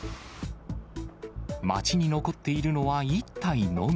町に残っているのは１体のみ。